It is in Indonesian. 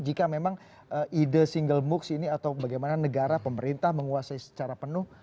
jika memang ide single moocs ini atau bagaimana negara pemerintah menguasai secara penuh